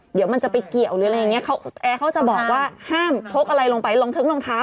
เดี๋ยวมันจะไปเกี่ยวหรืออะไรอย่างเงี้เขาแอร์เขาจะบอกว่าห้ามพกอะไรลงไปลองทึ้งรองเท้า